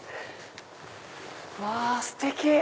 うわステキ！